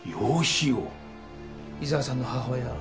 伊沢さんの母親